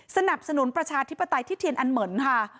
สนับสนุนประชาธิปไตยที่เทียนอันเหมือนค่ะ